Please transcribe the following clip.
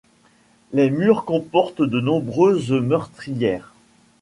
Les murs comportent de nombreuses meurtrières.